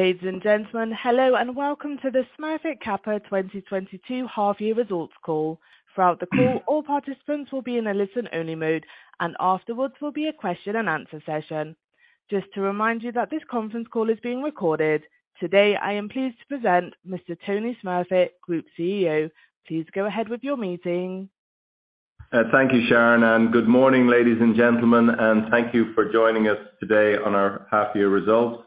Ladies and gentlemen, hello and welcome to the Smurfit Kappa 2022 half-year results call. Throughout the call, all participants will be in a listen-only mode, and afterwards will be a question and answer session. Just to remind you that this conference call is being recorded. Today, I am pleased to present Mr. Tony Smurfit, Group CEO. Please go ahead with your meeting. Thank you, Sharon, and good morning, ladies and gentlemen, and thank you for joining us today on our half year results.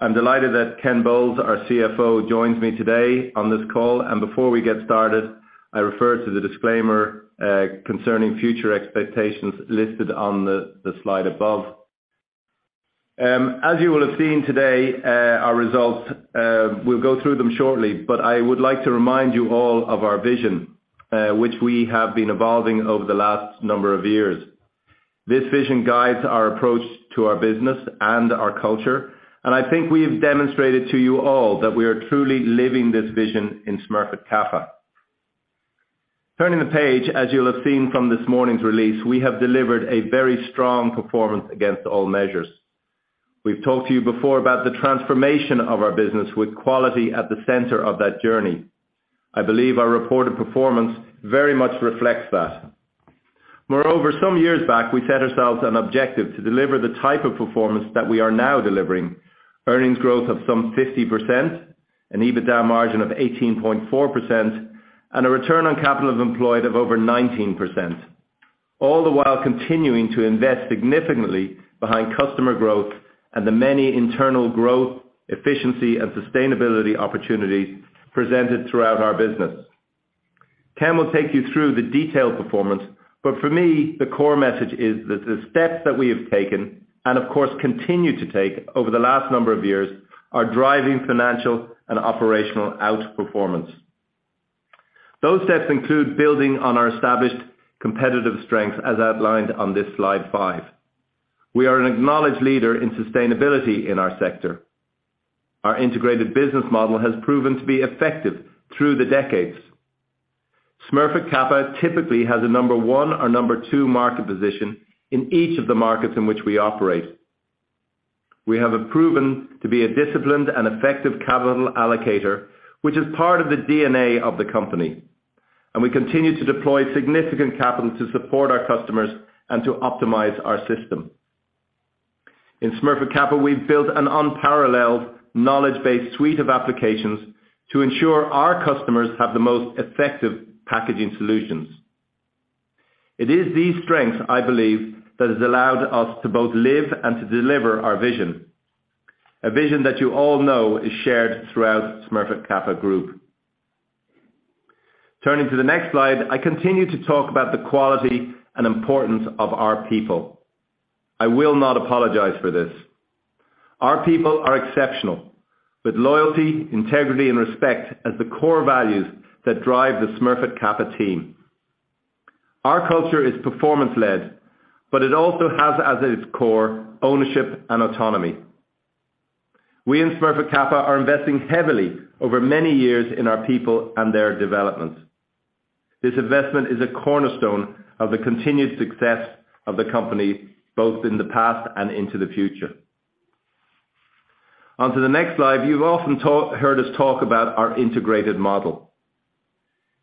I'm delighted that Ken Bowles, our CFO, joins me today on this call. Before we get started, I refer to the disclaimer concerning future expectations listed on the slide above. As you will have seen today, our results, we'll go through them shortly, but I would like to remind you all of our vision, which we have been evolving over the last number of years. This vision guides our approach to our business and our culture, and I think we have demonstrated to you all that we are truly living this vision in Smurfit Kappa. Turning the page, as you'll have seen from this morning's release, we have delivered a very strong performance against all measures. We've talked to you before about the transformation of our business with quality at the center of that journey. I believe our reported performance very much reflects that. Moreover, some years back, we set ourselves an objective to deliver the type of performance that we are now delivering, earnings growth of some 50%, an EBITDA margin of 18.4%, and a return on capital employed of over 19%, all the while continuing to invest significantly behind customer growth and the many internal growth, efficiency, and sustainability opportunities presented throughout our business. Ken will take you through the detailed performance, but for me, the core message is that the steps that we have taken, and of course, continue to take over the last number of years, are driving financial and operational outperformance. Those steps include building on our established competitive strengths as outlined on this slide 5. We are an acknowledged leader in sustainability in our sector. Our integrated business model has proven to be effective through the decades. Smurfit Kappa typically has a number one or number two market position in each of the markets in which we operate. We have proven to be a disciplined and effective capital allocator, which is part of the DNA of the company. We continue to deploy significant capital to support our customers and to optimize our system. In Smurfit Kappa, we've built an unparalleled knowledge-based suite of applications to ensure our customers have the most effective packaging solutions. It is these strengths, I believe, that has allowed us to both live and to deliver our vision, a vision that you all know is shared throughout Smurfit Kappa Group. Turning to the next slide, I continue to talk about the quality and importance of our people. I will not apologize for this. Our people are exceptional, with loyalty, integrity, and respect as the core values that drive the Smurfit Kappa team. Our culture is performance-led, but it also has as its core, ownership and autonomy. We in Smurfit Kappa are investing heavily over many years in our people and their development. This investment is a cornerstone of the continued success of the company, both in the past and into the future. Onto the next slide, you've often heard us talk about our integrated model.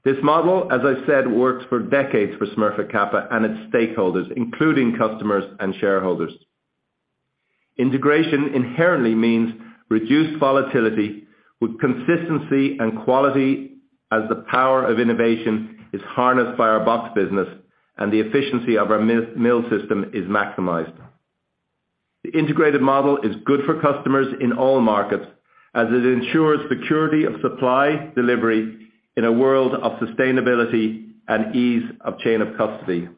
This model, as I said, works for decades for Smurfit Kappa and its stakeholders, including customers and shareholders. Integration inherently means reduced volatility with consistency and quality as the power of innovation is harnessed by our box business and the efficiency of our mill system is maximized. The integrated model is good for customers in all markets, as it ensures security of supply, delivery in a world of sustainability and ease of chain of custody.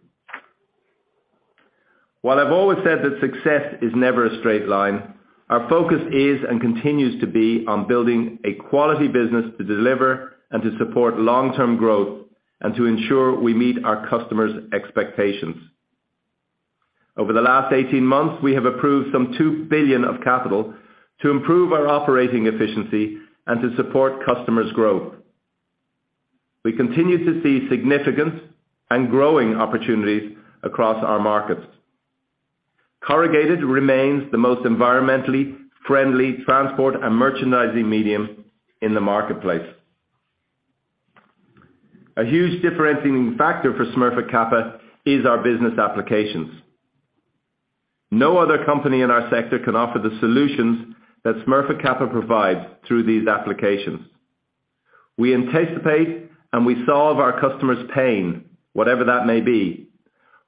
While I've always said that success is never a straight line, our focus is and continues to be on building a quality business to deliver and to support long-term growth and to ensure we meet our customers' expectations. Over the last 18 months, we have approved some 2 billion of capital to improve our operating efficiency and to support customers' growth. We continue to see significant and growing opportunities across our markets. Corrugated remains the most environmentally friendly transport and merchandising medium in the marketplace. A huge differentiating factor for Smurfit Kappa is our business applications. No other company in our sector can offer the solutions that Smurfit Kappa provides through these applications. We anticipate and we solve our customers' pain, whatever that may be,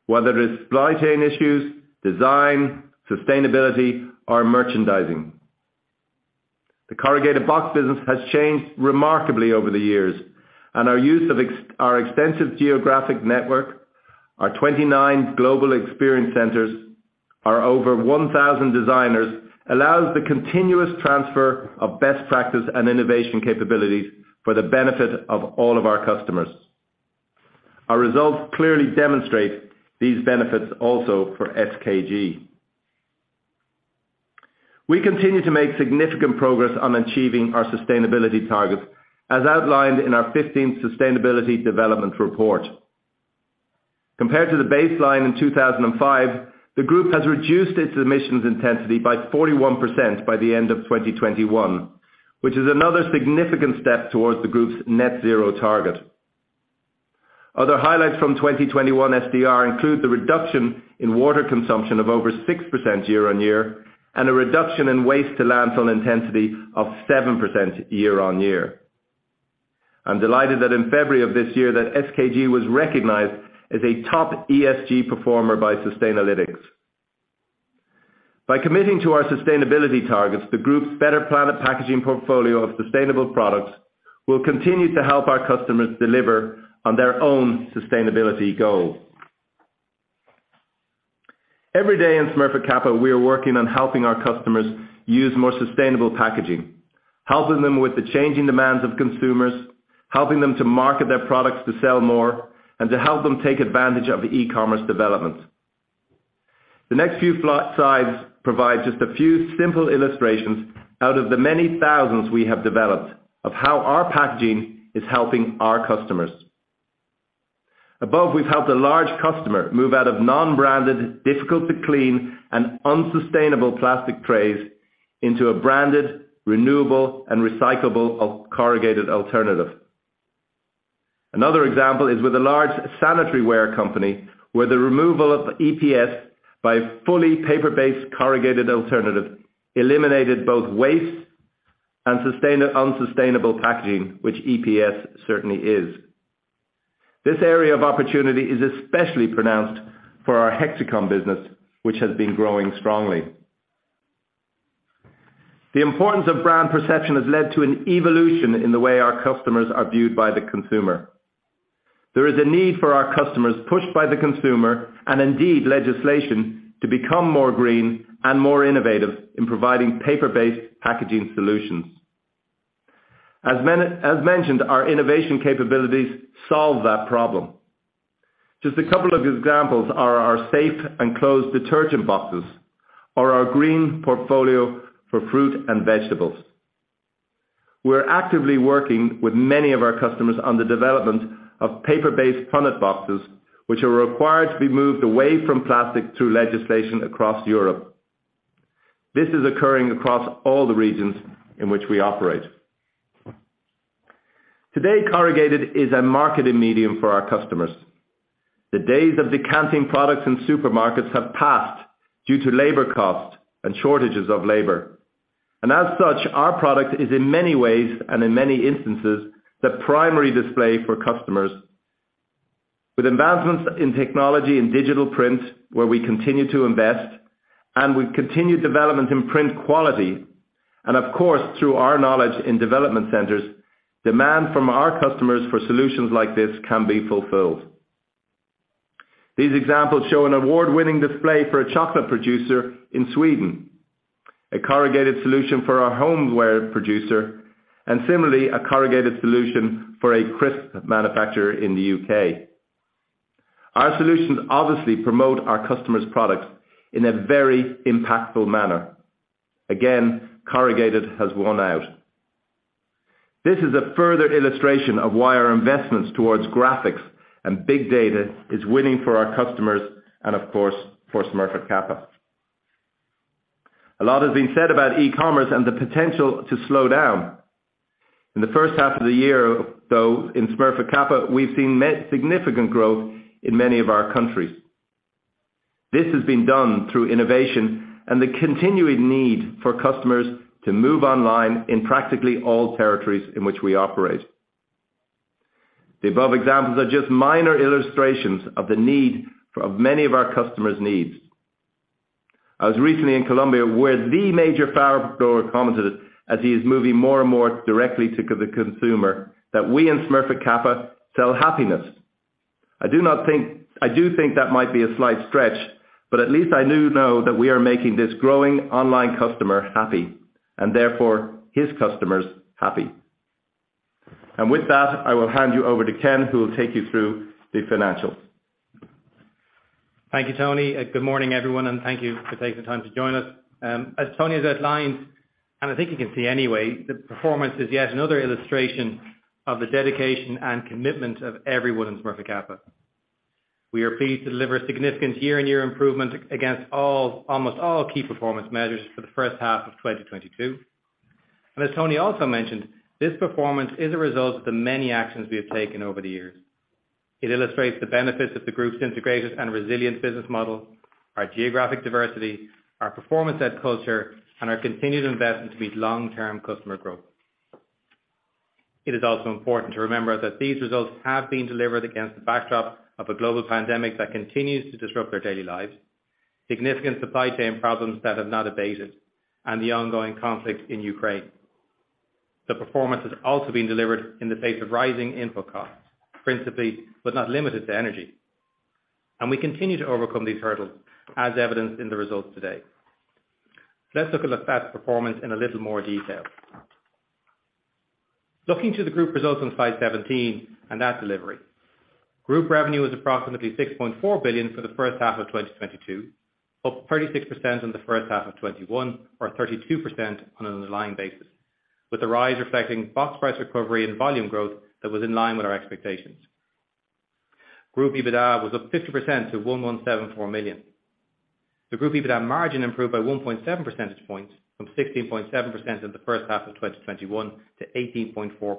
whether it's supply chain issues, design, sustainability, or merchandising. The corrugated box business has changed remarkably over the years, and our use of our extensive geographic network, our 29 global experience centers, our over 1,000 designers, allows the continuous transfer of best practice and innovation capabilities for the benefit of all of our customers. Our results clearly demonstrate these benefits also for SKG. We continue to make significant progress on achieving our sustainability targets as outlined in our 15th Sustainable Development Report. Compared to the baseline in 2005, the group has reduced its emissions intensity by 41% by the end of 2021, which is another significant step towards the group's net zero target. Other highlights from 2021 SDR include the reduction in water consumption of over 6% year-on-year, and a reduction in waste to landfill intensity of 7% year-on-year. I'm delighted that in February of this year that SKG was recognized as a top ESG performer by Sustainalytics. By committing to our sustainability targets, the group's Better Planet Packaging portfolio of sustainable products will continue to help our customers deliver on their own sustainability goals. Every day in Smurfit Kappa, we are working on helping our customers use more sustainable packaging, helping them with the changing demands of consumers, helping them to market their products to sell more, and to help them take advantage of the e-commerce developments. The next few slides provide just a few simple illustrations out of the many thousands we have developed of how our packaging is helping our customers. Above, we've helped a large customer move out of non-branded, difficult to clean and unsustainable plastic trays into a branded, renewable and recyclable corrugated alternative. Another example is with a large sanitary ware company, where the removal of EPS with a fully paper-based corrugated alternative eliminated both waste and unsustainable packaging, which EPS certainly is. This area of opportunity is especially pronounced for our Hexacomb business, which has been growing strongly. The importance of brand perception has led to an evolution in the way our customers are viewed by the consumer. There is a need for our customers, pushed by the consumer, and indeed legislation, to become more green and more innovative in providing paper-based packaging solutions. As mentioned, our innovation capabilities solve that problem. Just a couple of examples are our Safe & Closed detergent boxes or our green portfolio for fruit and vegetables. We're actively working with many of our customers on the development of paper-based product boxes, which are required to be moved away from plastic through legislation across Europe. This is occurring across all the regions in which we operate. Today, corrugated is a marketing medium for our customers. The days of decanting products in supermarkets have passed due to labor cost and shortages of labor. As such, our product is in many ways, and in many instances, the primary display for customers. With advancements in technology and digital print, where we continue to invest, and with continued development in print quality, and of course, through our knowledge in development centers, demand from our customers for solutions like this can be fulfilled. These examples show an award-winning display for a chocolate producer in Sweden, a corrugated solution for a homeware producer, and similarly, a corrugated solution for a crisp manufacturer in the UK. Our solutions obviously promote our customers' products in a very impactful manner. Again, corrugated has won out. This is a further illustration of why our investments towards graphics and big data is winning for our customers and of course, for Smurfit Kappa. A lot has been said about e-commerce and the potential to slow down. In the first half of the year, though, in Smurfit Kappa, we've seen significant growth in many of our countries. This has been done through innovation and the continuing need for customers to move online in practically all territories in which we operate. The above examples are just minor illustrations of the need of many of our customers' needs. I was recently in Colombia, where the major flower grower commented, as he is moving more and more directly to the consumer, that we in Smurfit Kappa sell happiness. I do think that might be a slight stretch, but at least I do know that we are making this growing online customer happy, and therefore his customers happy. With that, I will hand you over to Ken, who will take you through the financials. Thank you, Tony. Good morning, everyone, and thank you for taking the time to join us. As Tony has outlined, and I think you can see anyway, the performance is yet another illustration of the dedication and commitment of everyone in Smurfit Kappa. We are pleased to deliver significant year-on-year improvement against almost all key performance measures for the first half of 2022. As Tony also mentioned, this performance is a result of the many actions we have taken over the years. It illustrates the benefits of the group's integrated and resilient business model, our geographic diversity, our performance-led culture, and our continued investment to meet long-term customer growth. It is also important to remember that these results have been delivered against the backdrop of a global pandemic that continues to disrupt our daily lives, significant supply chain problems that have not abated, and the ongoing conflict in Ukraine. The performance has also been delivered in the face of rising input costs, principally, but not limited to energy. We continue to overcome these hurdles as evidenced in the results today. Let's look at the past performance in a little more detail. Looking to the group results on slide 17 and that delivery. Group revenue is approximately 6.4 billion for the first half of 2022, up 36% on the first half of 2021, or 32% on an underlying basis. With the rise reflecting box price recovery and volume growth that was in line with our expectations. Group EBITDA was up 50% to 1,174 million. The group EBITDA margin improved by 1.7 percentage points from 16.7% in the first half of 2021 to 18.4%.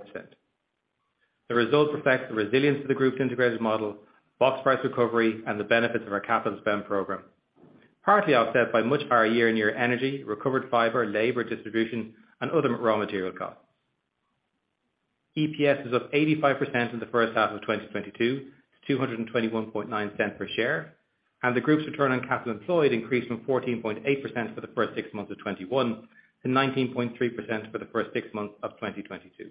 The result reflects the resilience of the group's integrated model, box price recovery and the benefits of our capital spend program, partly offset by much higher year-on-year energy, recovered fiber, labor, distribution, and other raw material costs. EPS is up 85% in the first half of 2022 to 2.219 per share, and the group's return on capital employed increased from 14.8% for the first six months of 2021 to 19.3% for the first six months of 2022.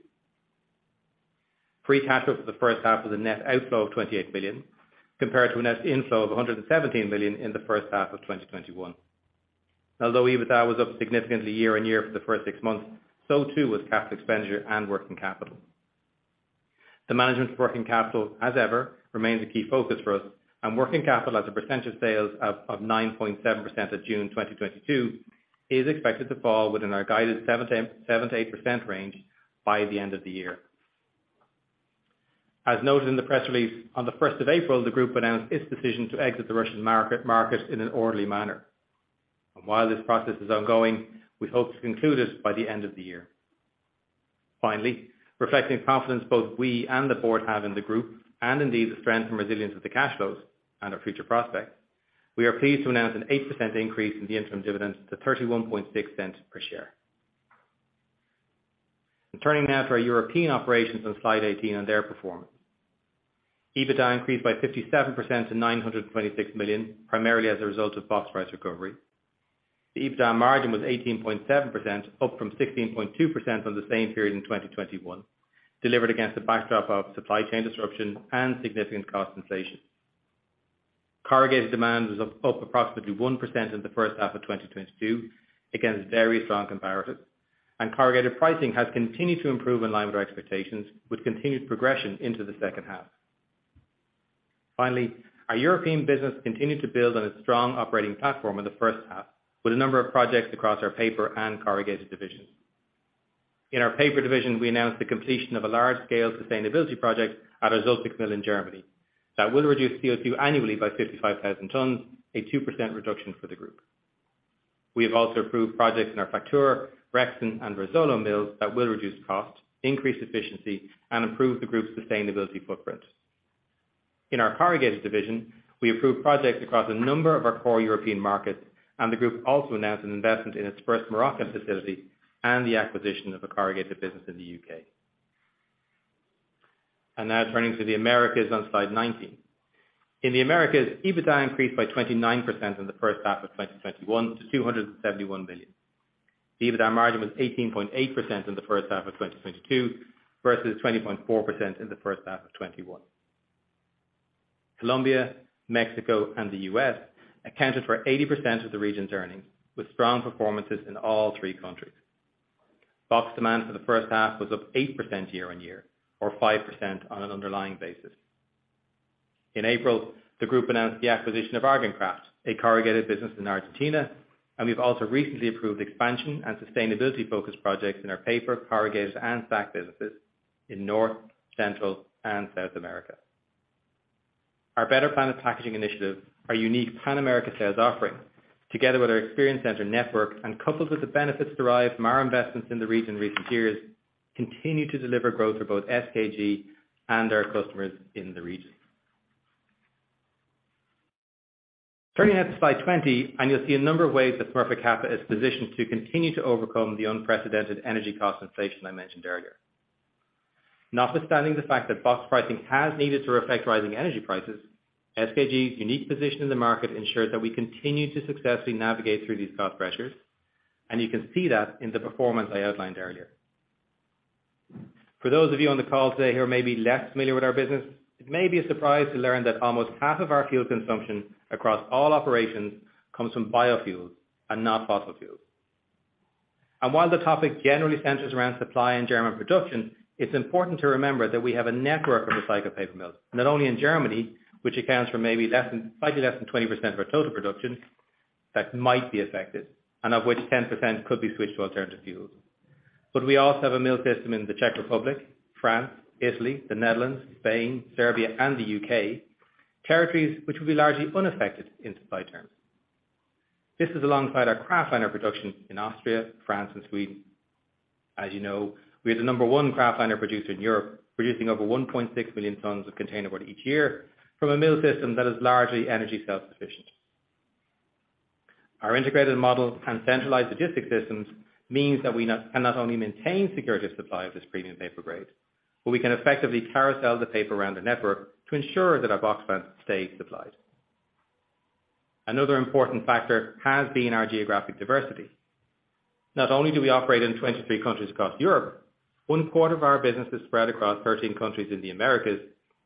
Free cash flow for the first half was a net outflow of 28 billion, compared to a net inflow of 117 billion in the first half of 2021. Although EBITDA was up significantly year-on-year for the first six months, so too was CapEx expenditure and working capital. The management of working capital, as ever, remains a key focus for us, and working capital as a percentage of sales of 9.7% of June 2022 is expected to fall within our guided 7%-8% range by the end of the year. As noted in the press release, on the first of April, the group announced its decision to exit the Russian market in an orderly manner. While this process is ongoing, we hope to conclude it by the end of the year. Finally, reflecting the confidence both we and the board have in the group, and indeed the strength and resilience of the cash flows and our future prospects, we are pleased to announce an 8% increase in the interim dividend to 0.316 per share. I'm turning now to our European operations on slide 18 and their performance. EBITDA increased by 57% to 926 million, primarily as a result of box price recovery. The EBITDA margin was 18.7%, up from 16.2% from the same period in 2021, delivered against the backdrop of supply chain disruption and significant cost inflation. Corrugated demand was up approximately 1% in the first half of 2022 against very strong comparatives. Corrugated pricing has continued to improve in line with our expectations, with continued progression into the second half. Finally, our European business continued to build on its strong operating platform in the first half, with a number of projects across our paper and corrugated divisions. In our paper division, we announced the completion of a large-scale sustainability project at our Zülpich mill in Germany that will reduce CO2 annually by 55,000 tons, a 2% reduction for the group. We have also approved projects in our Facture, Mold, and Roermond mills that will reduce costs, increase efficiency, and improve the group's sustainability footprint. In our corrugated division, we approved projects across a number of our core European markets, and the group also announced an investment in its first Moroccan facility and the acquisition of a corrugated business in the UK. Now turning to the Americas on slide 19. In the Americas, EBITDA increased by 29% in the first half of 2021 to 271 million. The EBITDA margin was 18.8% in the first half of 2022 versus 20.4% in the first half of 2021. Colombia, Mexico, and the US accounted for 80% of the region's earnings, with strong performances in all three countries. Box demand for the first half was up 8% year on year or 5% on an underlying basis. In April, the group announced the acquisition of Argencor, a corrugated business in Argentina, and we've also recently approved expansion and sustainability focused projects in our paper, corrugated, and sack businesses in North, Central, and South America. Our Better Planet Packaging initiative, our unique Pan America sales offering, together with our Experience Center network and coupled with the benefits derived from our investments in the region in recent years, continue to deliver growth for both SKG and our customers in the region. Turning now to slide 20, and you'll see a number of ways that Smurfit Kappa is positioned to continue to overcome the unprecedented energy cost inflation I mentioned earlier. Notwithstanding the fact that box pricing has needed to reflect rising energy prices, SKG's unique position in the market ensures that we continue to successfully navigate through these cost pressures, and you can see that in the performance I outlined earlier. For those of you on the call today who are maybe less familiar with our business, it may be a surprise to learn that almost half of our fuel consumption across all operations comes from biofuels and not fossil fuels. While the topic generally centers around supply and German production, it's important to remember that we have a network of recycled paper mills, not only in Germany, which accounts for maybe less than, slightly less than 20% of our total production that might be affected, and of which 10% could be switched to alternative fuels. We also have a mill system in the Czech Republic, France, Italy, the Netherlands, Spain, Serbia, and the UK, territories which will be largely unaffected in supply terms. This is alongside our Kraftliner production in Austria, France, and Sweden. As you know, we are the number one Kraftliner producer in Europe, producing over 1.6 million tons of containerboard each year from a mill system that is largely energy self-sufficient. Our integrated model and centralized logistics systems means that we can not only maintain security of supply of this premium paper grade, but we can effectively carousel the paper around the network to ensure that our box plants stay supplied. Another important factor has been our geographic diversity. Not only do we operate in 23 countries across Europe, one quarter of our business is spread across 13 countries in the Americas,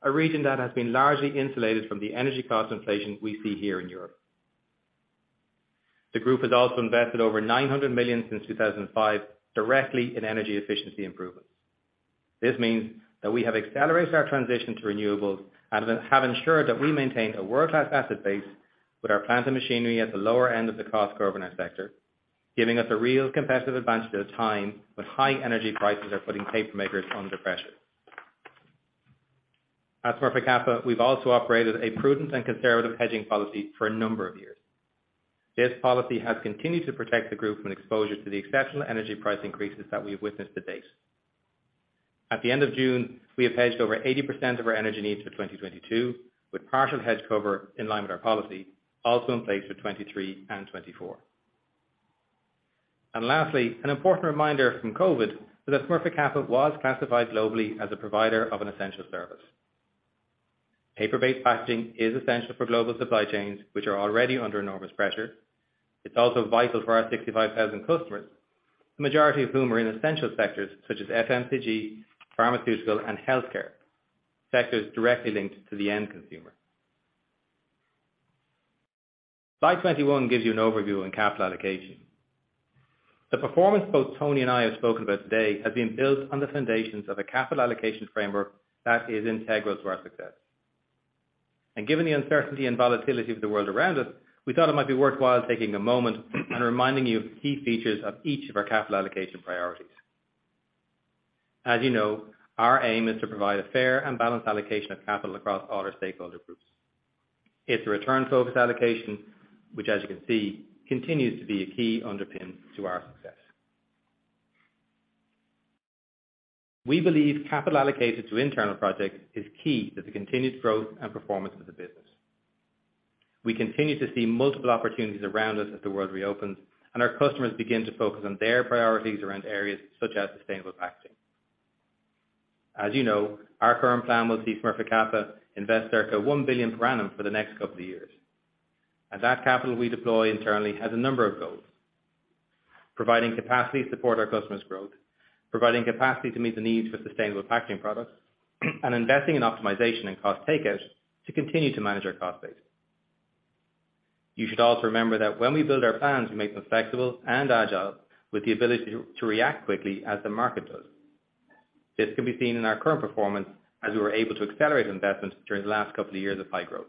a region that has been largely insulated from the energy cost inflation we see here in Europe. The group has also invested over 900 million since 2005 directly in energy efficiency improvements. This means that we have accelerated our transition to renewables and have ensured that we maintain a world-class asset base with our plant and machinery at the lower end of the cost curve in our sector, giving us a real competitive advantage at a time when high energy prices are putting paper makers under pressure. At Smurfit Kappa, we've also operated a prudent and conservative hedging policy for a number of years. This policy has continued to protect the group from exposure to the exceptional energy price increases that we have witnessed to date. At the end of June, we have hedged over 80% of our energy needs for 2022, with partial hedge cover in line with our policy also in place for 2023 and 2024. Lastly, an important reminder from COVID that Smurfit Kappa was classified globally as a provider of an essential service. Paper-based packaging is essential for global supply chains, which are already under enormous pressure. It's also vital for our 65,000 customers, the majority of whom are in essential sectors such as FMCG, pharmaceutical, and healthcare. Sectors directly linked to the end consumer. Slide 21 gives you an overview on capital allocation. The performance both Tony and I have spoken about today has been built on the foundations of a capital allocation framework that is integral to our success. Given the uncertainty and volatility of the world around us, we thought it might be worthwhile taking a moment and reminding you of the key features of each of our capital allocation priorities. As you know, our aim is to provide a fair and balanced allocation of capital across all our stakeholder groups. It's a return-focused allocation, which as you can see, continues to be a key underpin to our success. We believe capital allocated to internal projects is key to the continued growth and performance of the business. We continue to see multiple opportunities around us as the world reopens and our customers begin to focus on their priorities around areas such as sustainable packaging. As you know, our current plan will see Smurfit Kappa invest circa 1 billion per annum for the next couple of years. That capital we deploy internally has a number of goals. Providing capacity to support our customers' growth, providing capacity to meet the needs for sustainable packaging products, and investing in optimization and cost takeout to continue to manage our cost base. You should also remember that when we build our plans, we make them flexible and agile with the ability to react quickly as the market does. This can be seen in our current performance as we were able to accelerate investments during the last couple of years of high growth.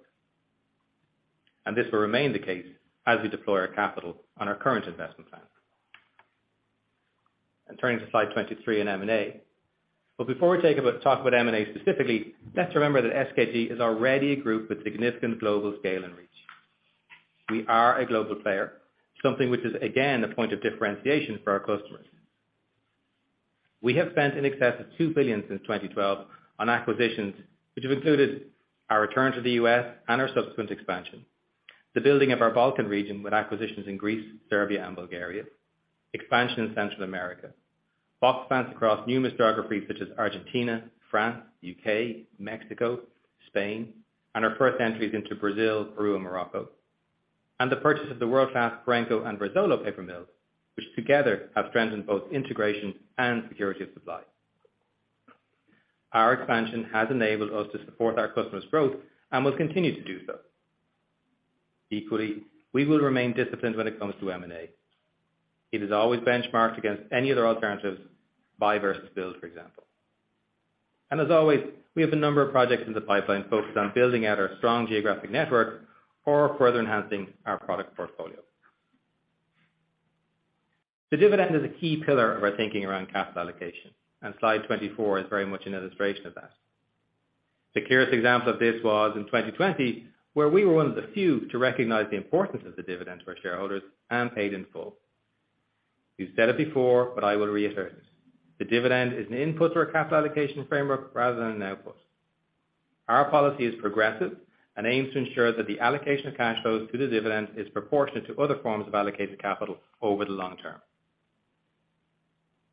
This will remain the case as we deploy our capital on our current investment plan. Turning to slide 23 in M&A. Before we take a bit to talk about M&A specifically, let's remember that SKG is already a group with significant global scale and reach. We are a global player, something which is again a point of differentiation for our customers. We have spent in excess of 2 billion since 2012 on acquisitions, which have included our return to the U.S. and our subsequent expansion, the building of our Balkan region with acquisitions in Greece, Serbia, and Bulgaria. Expansion in Central America. Box plants across numerous geographies such as Argentina, France, U.K., Mexico, Spain, and our first entries into Brazil, Peru, and Morocco. The purchase of the world-class Verzuolo paper mill, which together have strengthened both integration and security of supply. Our expansion has enabled us to support our customers' growth and will continue to do so. Equally, we will remain disciplined when it comes to M&A. It is always benchmarked against any other alternatives, buy versus build, for example. As always, we have a number of projects in the pipeline focused on building out our strong geographic network or further enhancing our product portfolio. The dividend is a key pillar of our thinking around capital allocation, and slide 24 is very much an illustration of that. The clearest example of this was in 2020, where we were one of the few to recognize the importance of the dividend to our shareholders and paid in full. We've said it before, but I will reiterate it. The dividend is an input to our capital allocation framework rather than an output. Our policy is progressive and aims to ensure that the allocation of cash flows to the dividend is proportionate to other forms of allocated capital over the long term.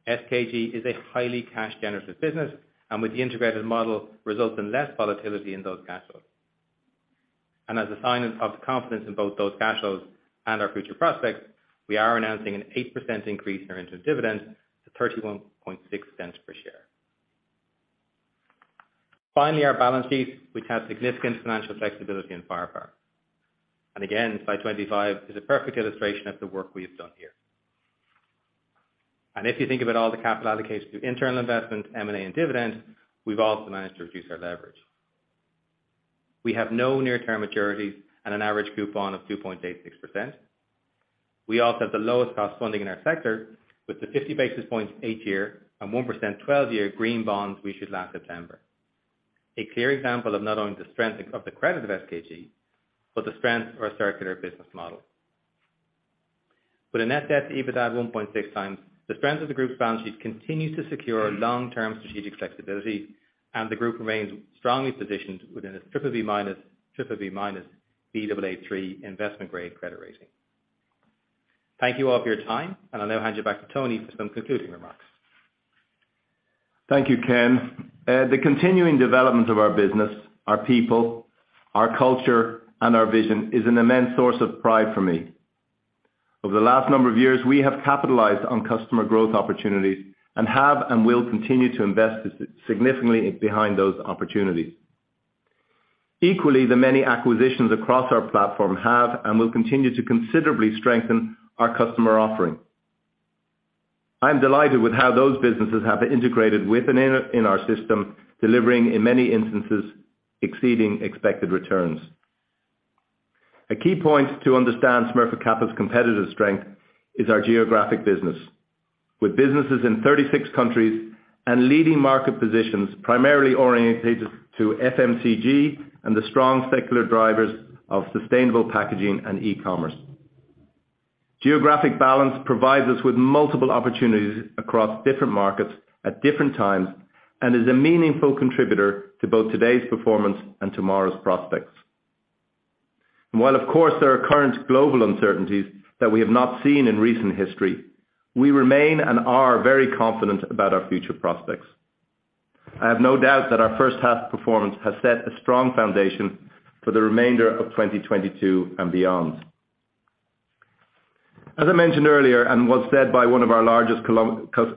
SKG is a highly cash-generative business, and with the integrated model, results in less volatility in those cash flows. As a sign of confidence in both those cash flows and our future prospects, we are announcing an 8% increase in our interim dividend to 0.316 per share. Finally, our balance sheet, which has significant financial flexibility and firepower. Again, slide 25 is a perfect illustration of the work we have done here. If you think about all the capital allocations to internal investment, M&A, and dividend, we've also managed to reduce our leverage. We have no near-term maturities and an average coupon of 2.86%. We also have the lowest cost funding in our sector with the 50 basis points 8-year and 1% 12-year green bonds we issued last September. A clear example of not only the strength of the credit of SKG, but the strength of our circular business model. With a net debt to EBITDA of 1.6 times, the strength of the group's balance sheet continues to secure long-term strategic flexibility and the group remains strongly positioned within its BBB-, BBB-, Baa3 investment-grade credit rating. Thank you all for your time, and I'll now hand you back to Tony for some concluding remarks. Thank you, Ken. The continuing development of our business, our people, our culture, and our vision is an immense source of pride for me. Over the last number of years, we have capitalized on customer growth opportunities and will continue to invest significantly behind those opportunities. Equally, the many acquisitions across our platform have and will continue to considerably strengthen our customer offering. I'm delighted with how those businesses have integrated with and in our system, delivering in many instances, exceeding expected returns. A key point to understand Smurfit Kappa's competitive strength is our geographic business. With businesses in 36 countries and leading market positions, primarily oriented to FMCG and the strong secular drivers of sustainable packaging and e-commerce. Geographic balance provides us with multiple opportunities across different markets at different times, and is a meaningful contributor to both today's performance and tomorrow's prospects. While of course there are current global uncertainties that we have not seen in recent history, we remain and are very confident about our future prospects. I have no doubt that our first half performance has set a strong foundation for the remainder of 2022 and beyond. As I mentioned earlier, and was said by one of our largest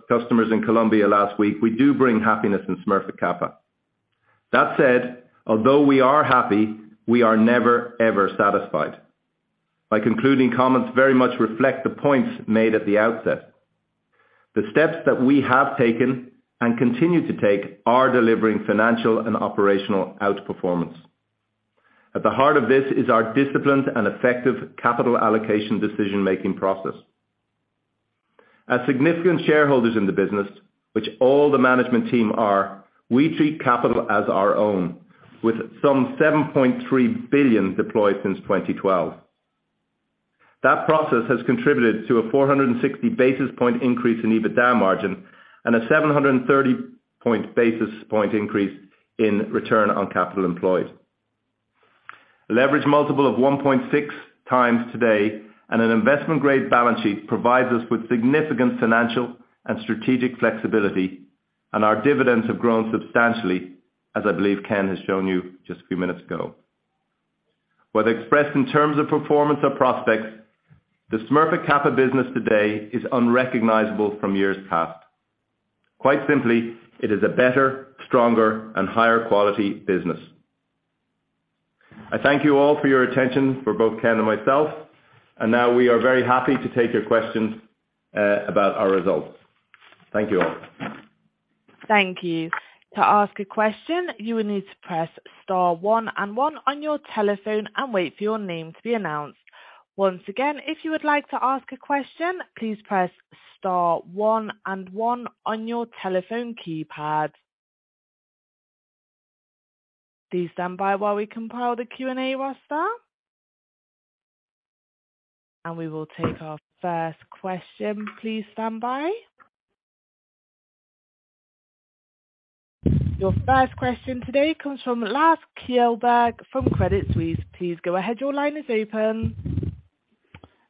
customers in Colombia last week, we do bring happiness in Smurfit Kappa. That said, although we are happy, we are never, ever satisfied. My concluding comments very much reflect the points made at the outset. The steps that we have taken and continue to take are delivering financial and operational outperformance. At the heart of this is our disciplined and effective capital allocation decision-making process. As significant shareholders in the business, which all the management team are, we treat capital as our own, with some 7.3 billion deployed since 2012. That process has contributed to a 460 basis point increase in EBITDA margin and a 730 basis point increase in return on capital employed. A leverage multiple of 1.6x today and an investment grade balance sheet provides us with significant financial and strategic flexibility, and our dividends have grown substantially, as I believe Ken has shown you just a few minutes ago. Whether expressed in terms of performance or prospects, the Smurfit Kappa business today is unrecognizable from years past. Quite simply, it is a better, stronger and higher quality business. I thank you all for your attention for both Ken and myself, and now we are very happy to take your questions about our results. Thank you all. Thank you. To ask a question, you will need to press star one and one on your telephone and wait for your name to be announced. Once again, if you would like to ask a question, please press star one and one on your telephone keypad. Please stand by while we compile the Q&A roster. We will take our first question. Please stand by. Your first question today comes from Lars Kjellberg from Credit Suisse. Please go ahead. Your line is open.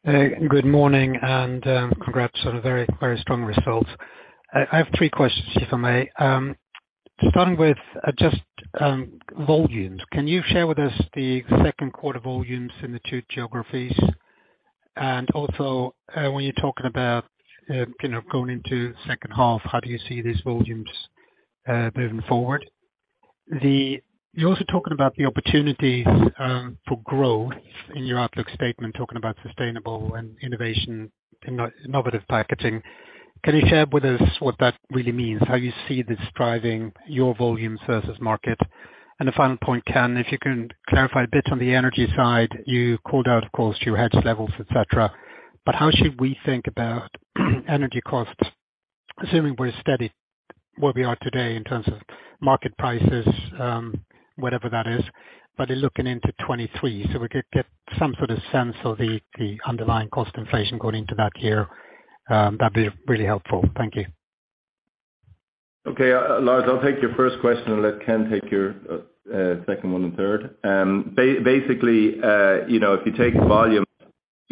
Good morning and congrats on a very strong result. I have three questions, if I may. Starting with just volumes. Can you share with us the second quarter volumes in the two geographies? And also, when you're talking about you know, going into second half, how do you see these volumes moving forward? You're also talking about the opportunities for growth in your outlook statement, talking about sustainable and innovative packaging. Can you share with us what that really means, how you see this driving your volumes versus market? And the final point, Ken, if you can clarify a bit on the energy side, you called out, of course, your hedge levels, et cetera. How should we think about energy costs, assuming we're steady where we are today in terms of market prices, whatever that is, but looking into 2023. We could get some sort of sense of the underlying cost inflation going into that year. That'd be really helpful. Thank you. Okay. Lars, I'll take your first question and let Ken take your second one and third. Basically, you know, if you take volume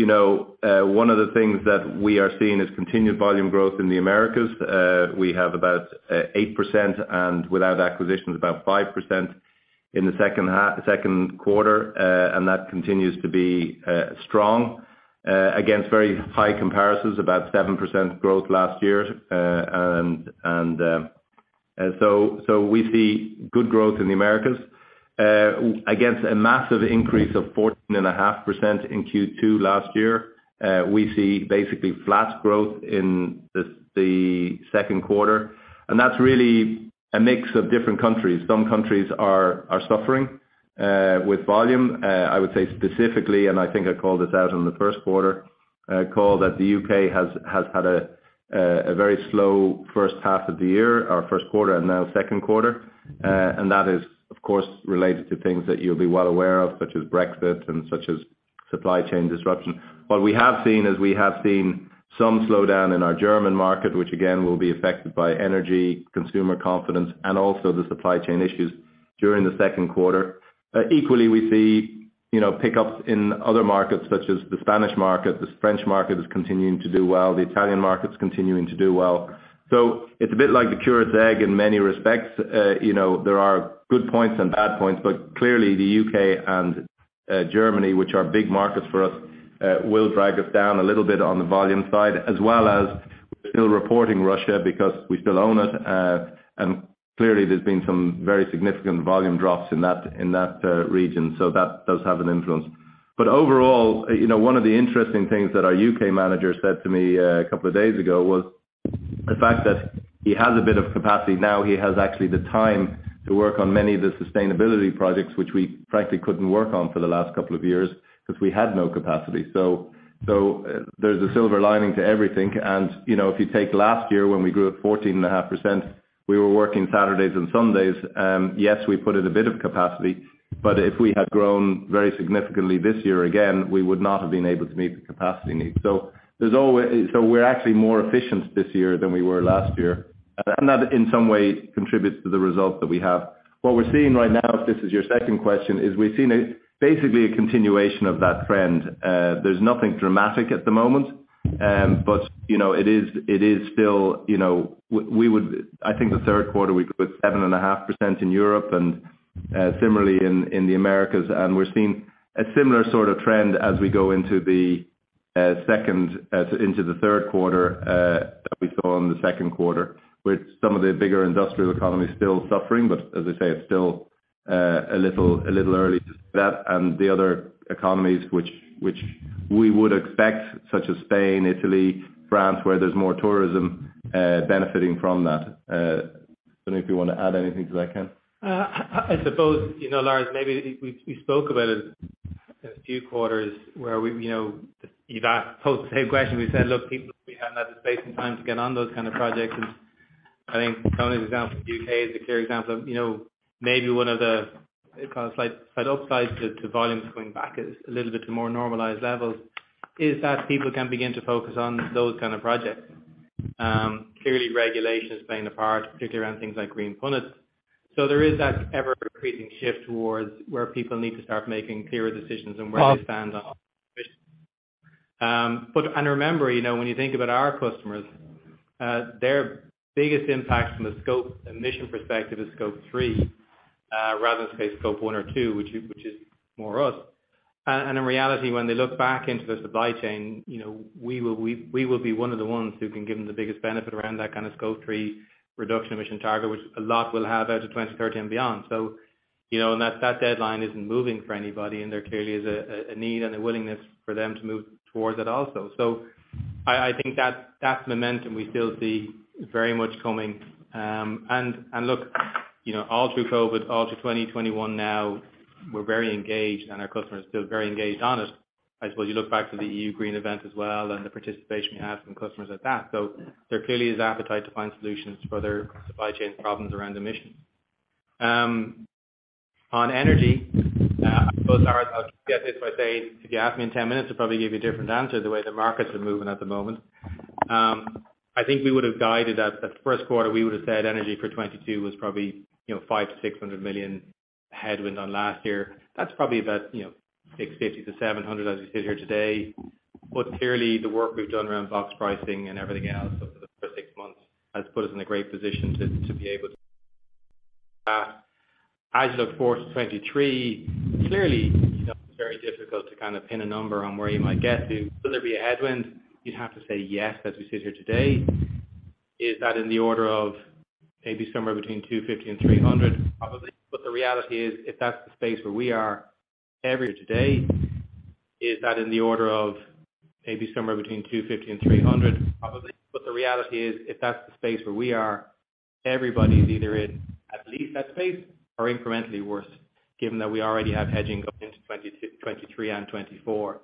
one of the things that we are seeing is continued volume growth in the Americas. We have about 8% and without acquisitions, about 5% in the second half, second quarter. And that continues to be strong against very high comparisons, about 7% growth last year. So we see good growth in the Americas against a massive increase of 14.5% in Q2 last year. We see basically flat growth in the second quarter, and that's really a mix of different countries. Some countries are suffering with volume. I would say specifically, and I think I called this out on the first quarter call that the U.K. has had a very slow first half of the year or first quarter and now second quarter. That is, of course, related to things that you'll be well aware of, such as Brexit and such as supply chain disruption. What we have seen is some slowdown in our German market, which again, will be affected by energy, consumer confidence, and also the supply chain issues during the second quarter. Equally, we see, you know, pickups in other markets, such as the Spanish market. The French market is continuing to do well. The Italian market is continuing to do well. So it's a bit like the curate's egg in many respects. You know, there are good points and bad points, but clearly the UK and Germany, which are big markets for us, will drag us down a little bit on the volume side as well as still reporting Russia because we still own it. And clearly there's been some very significant volume drops in that region. So that does have an influence. Overall, you know, one of the interesting things that our UK manager said to me a couple of days ago was the fact that he has a bit of capacity now. He has actually the time to work on many of the sustainability projects which we frankly couldn't work on for the last couple of years because we had no capacity. So there's a silver lining to everything. You know, if you take last year when we grew at 14.5%, we were working Saturdays and Sundays. Yes, we put in a bit of capacity, but if we had grown very significantly this year again, we would not have been able to meet the capacity needs. We're actually more efficient this year than we were last year. That in some way contributes to the result that we have. What we're seeing right now, if this is your second question, is we're seeing basically a continuation of that trend. There's nothing dramatic at the moment. But you know it is still we would. I think the third quarter we grew at 7.5% in Europe and similarly in the Americas.We're seeing a similar sort of trend as we go into the third quarter that we saw in the second quarter, with some of the bigger industrial economies still suffering. As I say, it's still a little early to say that. The other economies which we would expect, such as Spain, Italy, France, where there's more tourism benefiting from that. I don't know if you want to add anything to that, Ken. I suppose, you know, Lars, maybe we spoke about it in a few quarters where we, you know, you asked the same question. We said, look, people, we haven't had the space and time to get on those kind of projects. I think some of the examples, UK is a clear example of, you know, maybe one of the slight upsides to volumes going back is a little bit to more normalized levels is that people can begin to focus on those kind of projects. Clearly regulation is playing a part, particularly around things like green punnet. There is that ever-increasing shift towards where people need to start making clearer decisions and where they stand on. Remember, you know, when you think about our customers, their biggest impact from a Scope emissions perspective is Scope 3, rather than say Scope 1 or 2, which is more us. In reality, when they look back into the supply chain we will be one of the ones who can give them the biggest benefit around that kind of Scope 3 reduction emissions target, which a lot will have out to 2030 and beyond. You know, and that deadline isn't moving for anybody. There clearly is a need and a willingness for them to move towards it also. I think that momentum we still see very much coming. Look, you know, all through COVID, all through 2021 now, we're very engaged and our customers feel very engaged on it. I suppose you look back to the EU Green Week as well and the participation we have from customers at that. There clearly is appetite to find solutions for their supply chain problems around emissions. On energy, I suppose, Lars, I'll get this by saying if you asked me in 10 minutes, I'd probably give you a different answer the way the markets are moving at the moment. I think we would have guided at the first quarter, we would have said energy for 2022 was probably, you know, 500-600 million headwind on last year. That's probably about, you know, 650-700 as we sit here today. Clearly the work we've done around box pricing and everything else over the first six months has put us in a great position to be able to. As you look forward to 2023, clearly, you know, it's very difficult to kind of pin a number on where you might get to. Will there be a headwind? You'd have to say yes, as we sit here today. Is that in the order of maybe somewhere between 250 and 300? Probably. But the reality is, if that's the space where we are, everybody's either in at least that space or incrementally worse, given that we already have hedging going into 2022-2023 and 2024.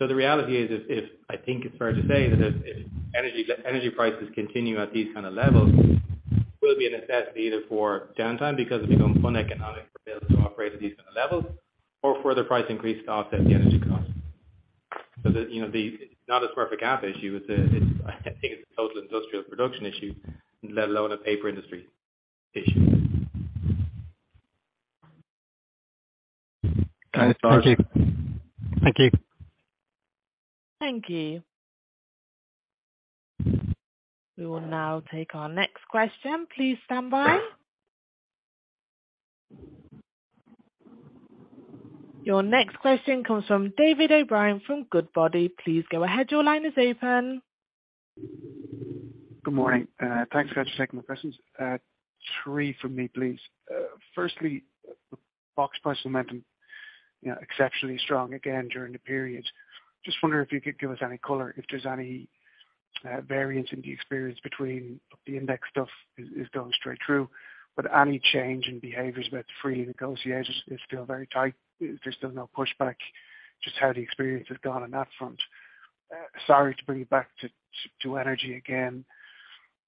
The reality is, if I think it's fair to say that if energy prices continue at these kind of levels, will be a necessity either for downtime because it becomes uneconomic for business to operate at these kind of levels or further price increase to offset the energy costs. You know, the. It's not a square gap issue, it's a, I think it's a total industrial production issue, let alone a paper industry issue. Thanks, Lars. Thank you. Thank you. Thank you. We will now take our next question. Please stand by. Your next question comes from David O'Brien from Goodbody. Please go ahead. Your line is open. Good morning. Thanks for taking my questions. Three from me, please. Firstly, box price momentum, you know, exceptionally strong again during the period. Just wondering if you could give us any color, if there's any variance in the experience between the index stuff is going straight through, but any change in behaviors about the free negotiators is still very tight. There's still no pushback. Just how the experience has gone on that front. Sorry to bring you back to energy again,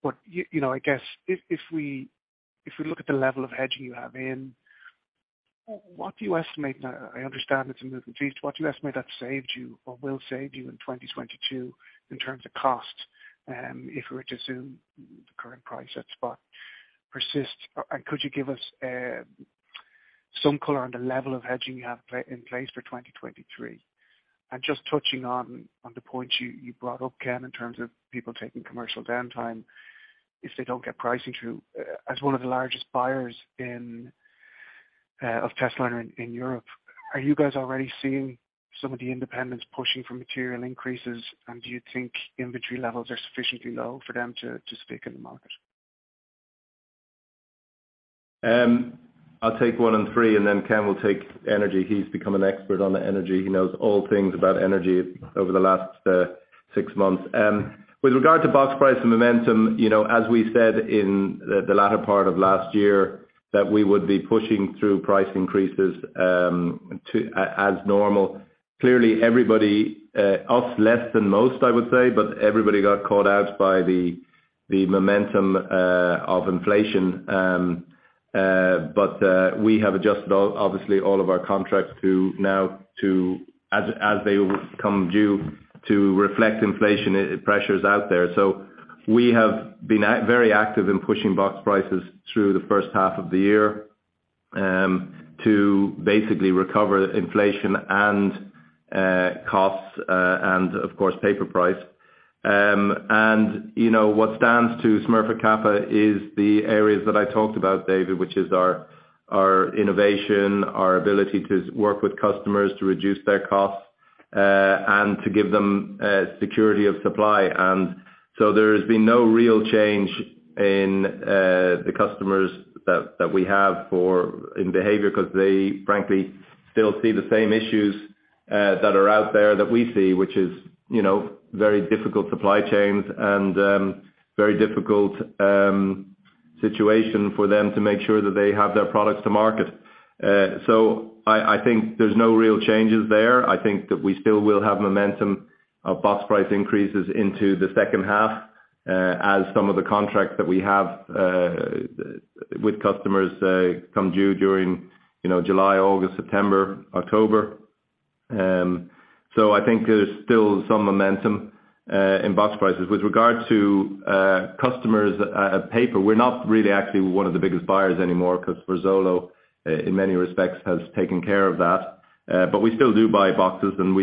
but you know, I guess if we look at the level of hedging you have in, what do you estimate now? I understand it's a moving feast. What do you estimate that saved you or will save you in 2022 in terms of cost? If we were to assume the current price at spot persists, could you give us some color on the level of hedging you have in place for 2023? Just touching on the points you brought up, Ken, in terms of people taking commercial downtime. If they don't get pricing through, as one of the largest buyers of Testliner in Europe, are you guys already seeing some of the independents pushing for material increases? Do you think inventory levels are sufficiently low for them to stick in the market? I'll take 1 and 3, and then Ken will take energy. He's become an expert on the energy. He knows all things about energy over the last 6 months. With regard to box price and momentum, you know, as we said in the latter part of last year that we would be pushing through price increases as normal. Clearly, everybody, us less than most, I would say, but everybody got caught out by the momentum of inflation. We have adjusted all, obviously, of our contracts as they become due to reflect inflation pressures out there. We have been very active in pushing box prices through the first half of the year to basically recover inflation and costs and of course paper price. You know what stands out for Smurfit Kappa is the areas that I talked about, David, which is our innovation, our ability to work with customers to reduce their costs, and to give them security of supply. There has been no real change in the customers that we have in behavior because they frankly still see the same issues that are out there that we see, which is, you know, very difficult supply chains and very difficult situation for them to make sure that they have their products to market. I think there's no real changes there. I think that we still will have momentum of box price increases into the second half as some of the contracts that we have with customers come due during, you know, July, August, September, October. I think there's still some momentum in box prices. With regard to customer paper, we're not really actually one of the biggest buyers anymore because Verzuolo in many respects has taken care of that. We still do buy boxes and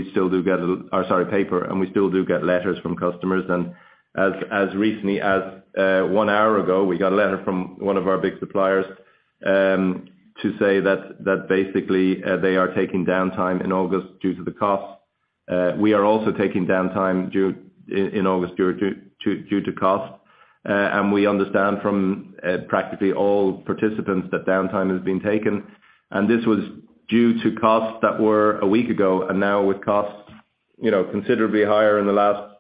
paper, and we still do get letters from customers. As recently as one hour ago, we got a letter from one of our big suppliers to say that basically they are taking downtime in August due to the costs. We are also taking downtime in August due to costs. We understand from practically all participants that downtime has been taken, and this was due to costs that were a week ago. Now with costs, you know, considerably higher in the last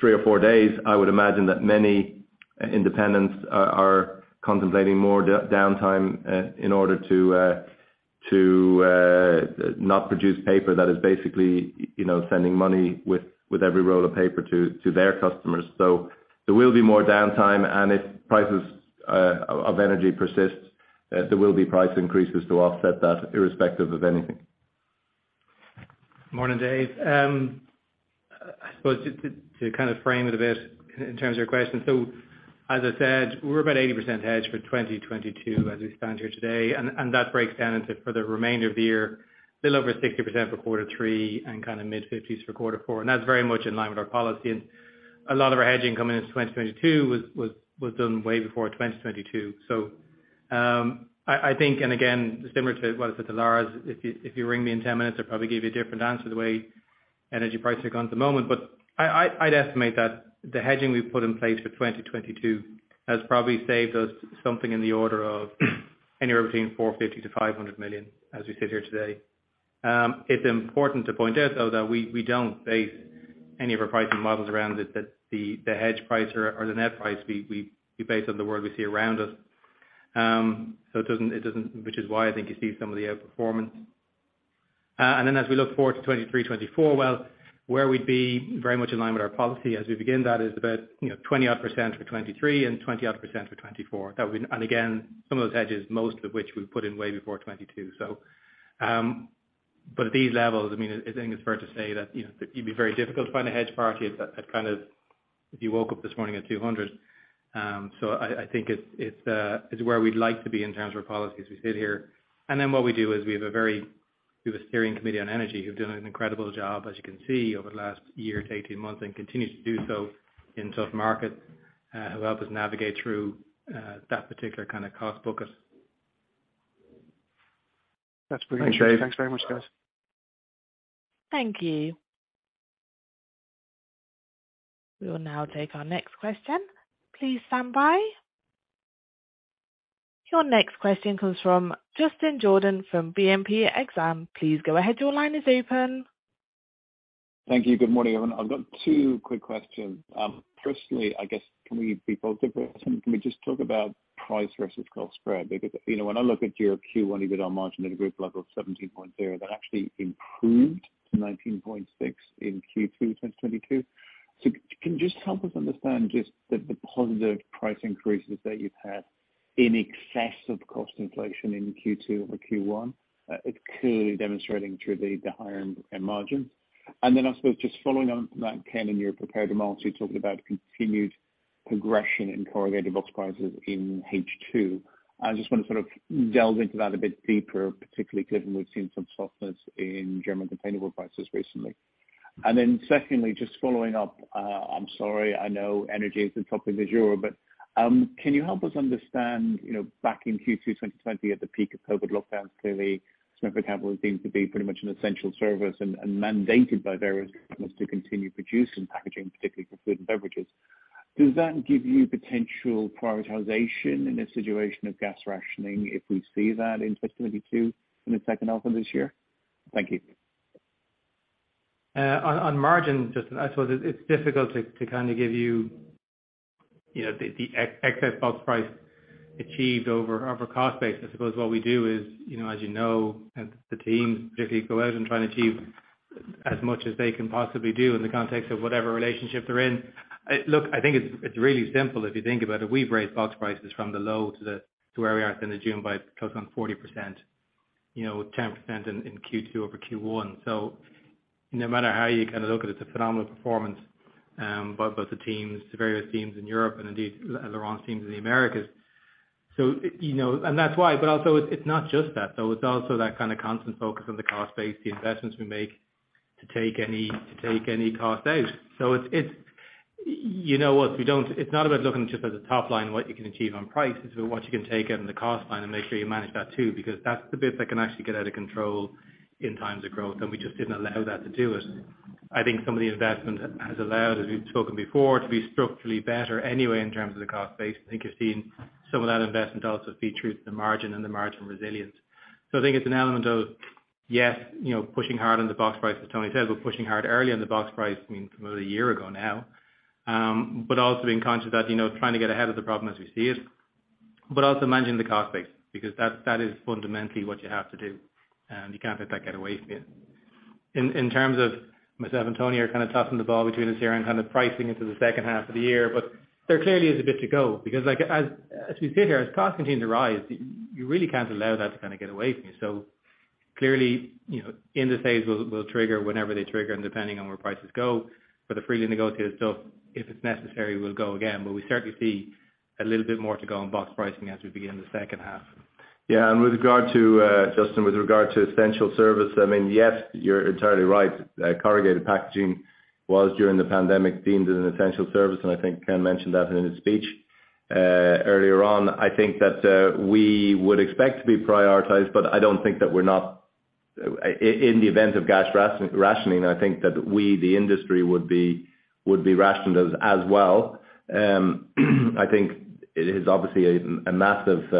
three or four days, I would imagine that many independents are contemplating more downtime in order to not produce paper that is basically, you know, sending money with every roll of paper to their customers. There will be more downtime. If prices of energy persist, there will be price increases to offset that irrespective of anything. Morning, Dave. I suppose to kind of frame it a bit in terms of your question. As I said, we're about 80% hedged for 2022 as we stand here today. That breaks down into, for the remainder of the year, a little over 60% for quarter three and kind of mid-50s for quarter four. That's very much in line with our policy. A lot of our hedging coming into 2022 was done way before 2022. I think, and again, similar to what I said to Lars, if you ring me in 10 minutes, I'd probably give you a different answer the way energy pricing at the moment. I'd estimate that the hedging we've put in place for 2022 has probably saved us something in the order of anywhere between 450 million-500 million as we sit here today. It's important to point out though that we don't base any of our pricing models around it, that the hedge price or the net price we base on the world we see around us. So it doesn't, which is why I think you see some of the outperformance. Then as we look forward to 2023, 2024, well, where we'd be very much in line with our policy as we begin that is about, you know, 20-odd% for 2023 and 20-odd% for 2024. That would be, and again, some of those hedges, most of which we've put in way before 2022. At these levels, I mean, I think it's fair to say that, you know, it'd be very difficult to find a hedge counterparty at kind of if you woke up this morning at 200. I think it's where we'd like to be in terms of our policy as we sit here. What we do is we have a steering committee on energy who've done an incredible job, as you can see, over the last year to 18 months and continue to do so in tough markets, who help us navigate through that particular kind of cost bucket. That's brilliant. Thanks, Dave. Thanks very much, guys. Thank you. We will now take our next question. Please stand by. Your next question comes from Justin Jordan from BNP Paribas Exane. Please go ahead. Your line is open. Thank you. Good morning, everyone. I've got two quick questions. Can we just talk about price versus cost spread? Because, you know, when I look at your Q1 EBITDA margin at a group level of 17.0%, that actually improved to 19.6% in Q2 2022. Can you just help us understand just the positive price increases that you've had in excess of cost inflation in Q2 over Q1? It's clearly demonstrating through the higher end margin. I suppose just following on from that, Ken, in your prepared remarks, you talked about continued progression in corrugated box prices in H2. I just want to sort of delve into that a bit deeper, particularly given we've seen some softness in German container prices recently. Then secondly, just following up, I'm sorry, I know energy is the topic du jour, but, can you help us understand, you know, back in Q2 2020 at the peak of COVID lockdowns, clearly, Smurfit Kappa was deemed to be pretty much an essential service and mandated by various governments to continue producing packaging, particularly for food and beverages. Does that give you potential prioritization in a situation of gas rationing if we see that in 2022, in the second half of this year? Thank you. On margin, Justin, I suppose it's difficult to kinda give you know, the excess box price achieved over cost base. I suppose what we do is, you know, as you know, the teams particularly go out and try and achieve as much as they can possibly do in the context of whatever relationship they're in. Look, I think it's really simple if you think about it. We've raised box prices from the low to where we are at the end of June by close on 40%, you know, 10% in Q2 over Q1. No matter how you kind of look at it's a phenomenal performance by both the teams, the various teams in Europe and indeed Laurent's teams in the Americas. You know, and that's why, but also it's not just that, though, it's also that kind of constant focus on the cost base, the investments we make to take any cost out. You know us, we don't. It's not about looking just at the top line, what you can achieve on price. It's what you can take out in the cost line and make sure you manage that too, because that's the bit that can actually get out of control in times of growth, and we just didn't allow that to do it. I think some of the investment has allowed, as we've spoken before, to be structurally better anyway in terms of the cost base. I think you've seen some of that investment also feed through to the margin and the margin resilience. I think it's an element of, yes, you know, pushing hard on the box price, as Tony said, but pushing hard early on the box price, I mean, from about a year ago now, but also being conscious that, you know, trying to get ahead of the problem as we see it, but also managing the cost base, because that is fundamentally what you have to do, and you can't let that get away from you. In terms of myself and Tony are kind of tossing the ball between us here and kind of pricing into the second half of the year, but there clearly is a bit to go because like as we sit here, as costs continue to rise, you really can't allow that to kinda get away from you. Clearly, you know, indices will trigger whenever they trigger and depending on where prices go. For the freely negotiated stuff, if it's necessary, we'll go again. We certainly see a little bit more to go on box pricing as we begin the second half. Yeah. With regard to Justin, with regard to essential service, I mean, yes, you're entirely right. Corrugated packaging was, during the pandemic, deemed as an essential service, and I think Ken mentioned that in his speech earlier on. I think that we would expect to be prioritized, but I don't think that we're not in the event of gas rationing. I think that we, the industry, would be rationed as well. I think it is obviously a massive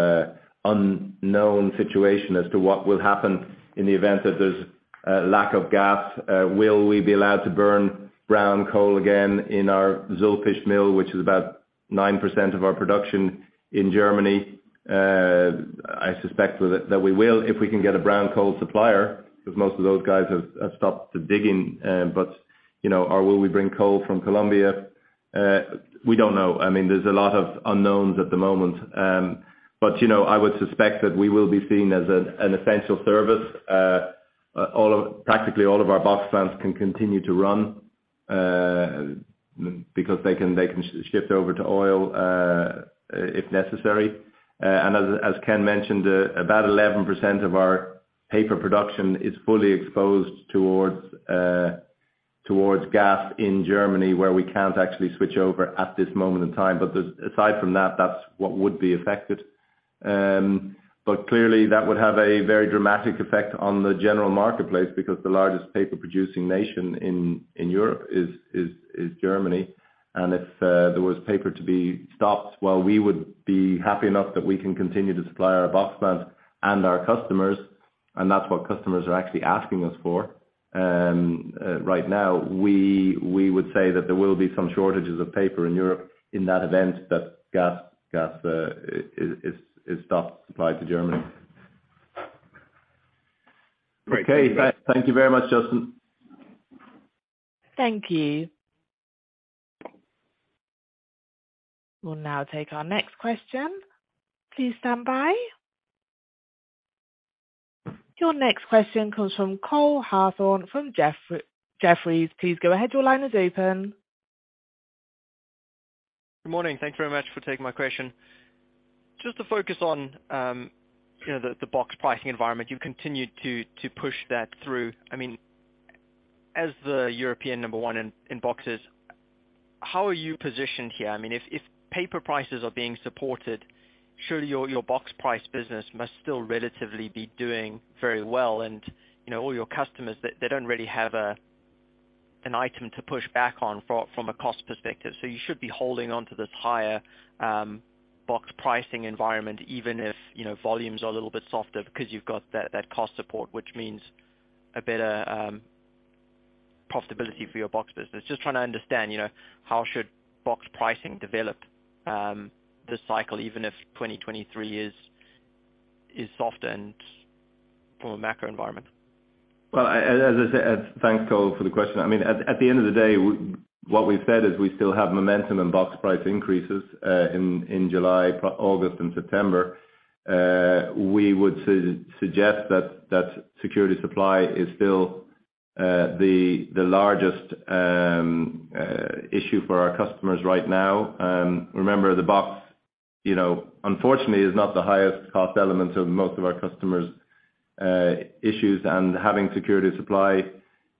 unknown situation as to what will happen in the event that there's a lack of gas. Will we be allowed to burn brown coal again in our Zülpich mill, which is about 9% of our production in Germany? I suspect that we will if we can get a brown coal supplier, because most of those guys have stopped the digging, but you know. Or will we bring coal from Colombia? We don't know. I mean, there's a lot of unknowns at the moment. You know, I would suspect that we will be seen as an essential service. Practically all of our box plants can continue to run, because they can shift over to oil if necessary. As Ken mentioned, about 11% of our paper production is fully exposed towards gas in Germany, where we can't actually switch over at this moment in time. Aside from that's what would be affected. Clearly that would have a very dramatic effect on the general marketplace because the largest paper producing nation in Europe is Germany. If there was power to be stopped, while we would be happy enough that we can continue to supply our box plant and our customers, and that's what customers are actually asking us for, right now, we would say that there will be some shortages of paper in Europe in that event that gas supply is stopped to Germany. Great. Okay. Thank you very much, Justin. Thank you. We'll now take our next question. Please stand by. Your next question comes from Cole Hathorn from Jefferies. Please go ahead. Your line is open. Good morning. Thank you very much for taking my question. Just to focus on, you know, the box pricing environment, you've continued to push that through. I mean, as the European number one in boxes, how are you positioned here? I mean, if paper prices are being supported, surely your box price business must still relatively be doing very well. You know, all your customers, they don't really have an item to push back on from a cost perspective. You should be holding on to this higher box pricing environment, even if, you know, volumes are a little bit softer because you've got that cost support, which means a better profitability for your box business. Just trying to understand, you know, how should box pricing develop this cycle, even if 2023 is soft and from a macro environment? Well, as I said. Thanks, Cole, for the question. I mean, at the end of the day, what we've said is we still have momentum in box price increases, in July, August, and September. We would suggest that security supply is still the largest issue for our customers right now. Remember, the box, you know, unfortunately, is not the highest cost element of most of our customers' issues and having security of supply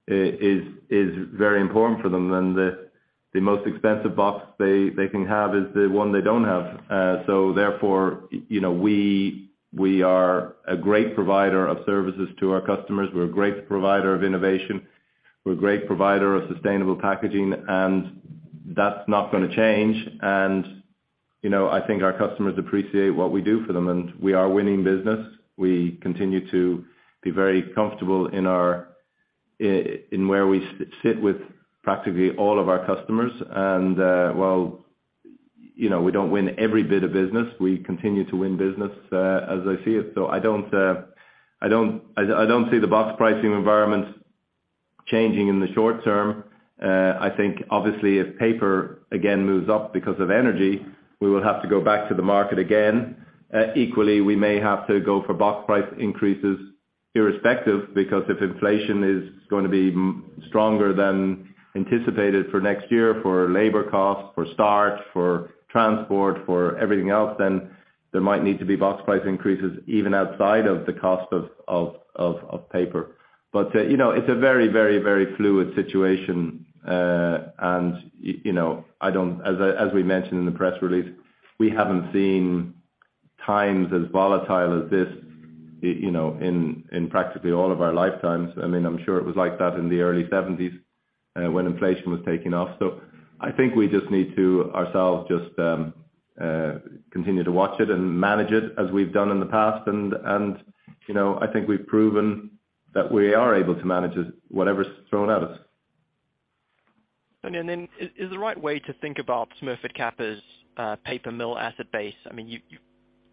is very important for them. The most expensive box they can have is the one they don't have. Therefore, you know, we are a great provider of services to our customers. We're a great provider of innovation. We're a great provider of sustainable packaging, and that's not gonna change. You know, I think our customers appreciate what we do for them, and we are winning business. We continue to be very comfortable in where we sit with practically all of our customers. While, you know, we don't win every bit of business, we continue to win business as I see it. I don't see the box pricing environment changing in the short term. I think obviously if paper again moves up because of energy, we will have to go back to the market again. Equally, we may have to go for box price increases irrespective because if inflation is going to be stronger than anticipated for next year for labor costs, for starch, for transport, for everything else, then there might need to be box price increases even outside of the cost of paper. You know, it's a very fluid situation. You know, as we mentioned in the press release, we haven't seen times as volatile as this, you know, in practically all of our lifetimes. I mean, I'm sure it was like that in the early seventies, when inflation was taking off. I think we just need to continue to watch it and manage it as we've done in the past. You know, I think we've proven that we are able to manage it, whatever's thrown at us. Is the right way to think about Smurfit Kappa's paper mill asset base. I mean, you,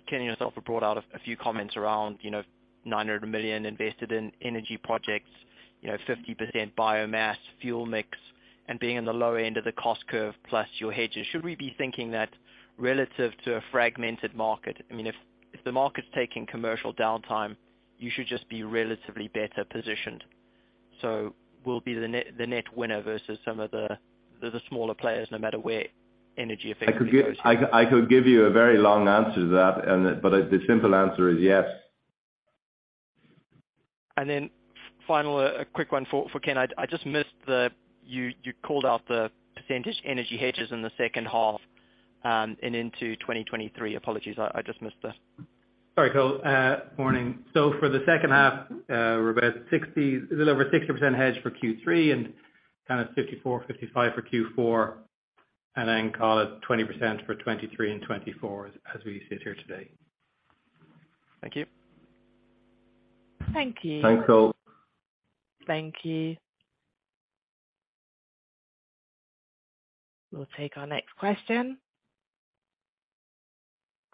Ken, yourself have brought out a few comments around, you know, 900 million invested in energy projects, you know, 50% biomass fuel mix, and being in the low end of the cost curve, plus your hedges. Should we be thinking that relative to a fragmented market, I mean, if the market's taking commercial downtime, you should just be relatively better positioned. We'll be the net winner versus some of the smaller players, no matter where energy effectively goes here. I could give you a very long answer to that, but the simple answer is yes. Then finally, a quick one for Ken. I just missed. You called out the percentage energy hedges in the second half, and into 2023. Apologies, I just missed that. Sorry, Cole. Morning. For the second half, we're about 60, a little over 60% hedged for Q3 and kind of 54-55% for Q4, and then call it 20% for 2023 and 2024 as we sit here today. Thank you. Thank you. Thanks, Cole. Thank you. We'll take our next question.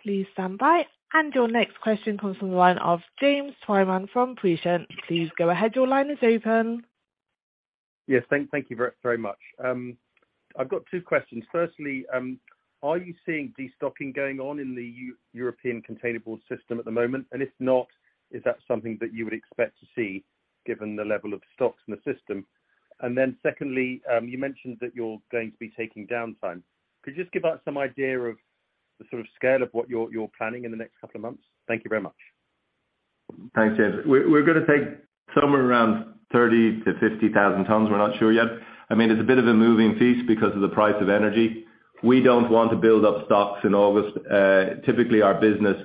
Please stand by. Your next question comes from the line of James Twyman from Prescient. Please go ahead. Your line is open. Yes. Thank you very much. I've got two questions. Firstly, are you seeing de-stocking going on in the European containerboard system at the moment? If not, is that something that you would expect to see given the level of stocks in the system? Secondly, you mentioned that you're going to be taking downtime. Could you just give us some idea of the sort of scale of what you're planning in the next couple of months? Thank you very much. Thanks, James. We're gonna take somewhere around 30,000-50,000 tons. We're not sure yet. I mean, it's a bit of a moving feast because of the price of energy. We don't want to build up stocks in August. Typically our business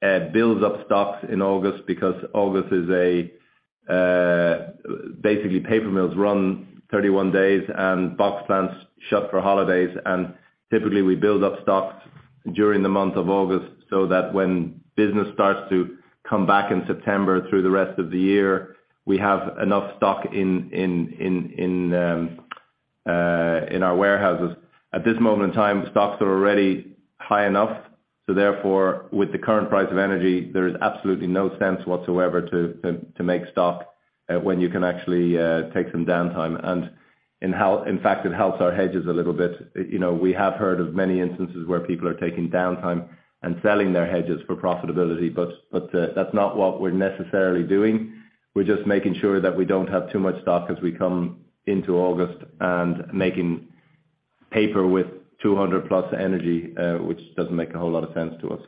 builds up stocks in August because paper mills run 31 days and box plants shut for holidays. Typically we build up stocks during the month of August so that when business starts to come back in September through the rest of the year, we have enough stock in our warehouses. At this moment in time, stocks are already high enough, so therefore, with the current price of energy, there is absolutely no sense whatsoever to make stock when you can actually take some downtime. In fact, it helps our hedges a little bit. You know, we have heard of many instances where people are taking downtime and selling their hedges for profitability, but that's not what we're necessarily doing. We're just making sure that we don't have too much stock as we come into August and making paper with 200 plus energy, which doesn't make a whole lot of sense to us.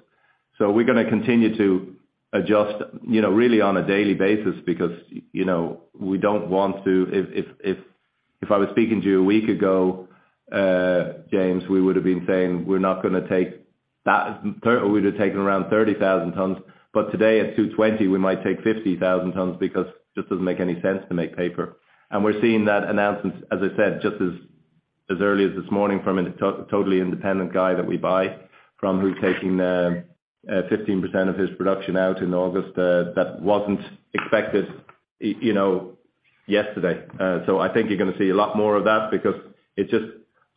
We're gonna continue to adjust, you know, really on a daily basis because, you know, we don't want to. If I was speaking to you a week ago, James, we would've been saying, we'd have taken around 30,000 tons, but today at 220 we might take 50,000 tons because it just doesn't make any sense to make paper. We're seeing that announcements, as I said, just as early as this morning from a totally independent guy that we buy from who's taking 15% of his production out in August, that wasn't expected, you know, yesterday. So I think you're gonna see a lot more of that because it's just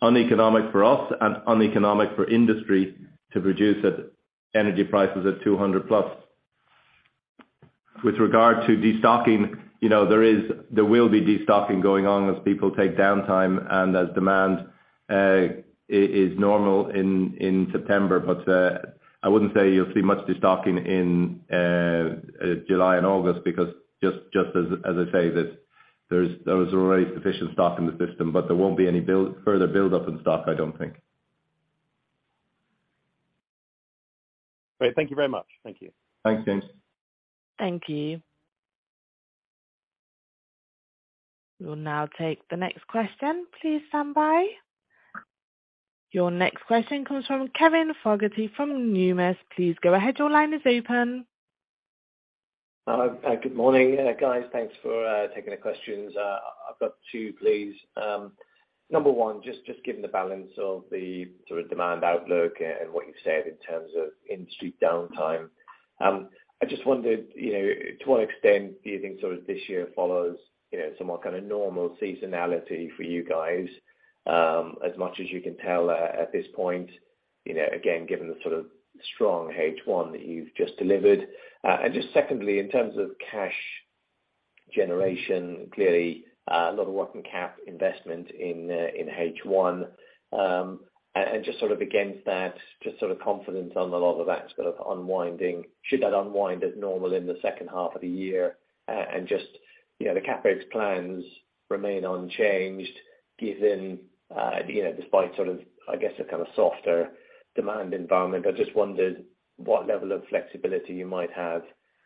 uneconomic for us and uneconomic for industry to produce at energy prices at 200+. With regard to de-stocking, you know, there will be de-stocking going on as people take downtime and as demand is normal in September. I wouldn't say you'll see much de-stocking in July and August because just as I say, there was already sufficient stock in the system, but there won't be any further buildup in stock, I don't think. Great. Thank you very much. Thank you. Thanks, James. Thank you. We'll now take the next question. Please stand by. Your next question comes from Kevin Fogarty from Numis. Please go ahead. Your line is open. Good morning, guys. Thanks for taking the questions. I've got two, please. Number one, just given the balance of the sort of demand outlook and what you've said in terms of industry downtime, I just wondered, you know, to what extent do you think sort of this year follows, you know, somewhat kind of normal seasonality for you guys, as much as you can tell at this point, you know, again, given the sort of strong H1 that you've just delivered. Just secondly, in terms of cash generation, clearly a lot of working cap investment in H1. Just sort of against that, just sort of confidence on a lot of that sort of unwinding should that unwind as normal in the second half of the year. Just, you know, the CapEx plans remain unchanged given, you know, despite sort of, I guess, a kind of softer demand environment. I just wondered what level of flexibility you might have